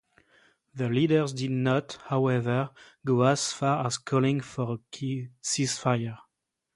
The leaders did not, however, go as far as calling for a ceasefire.